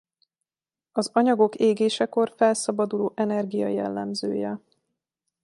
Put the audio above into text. Az anyagok égésekor felszabaduló energia jellemzője.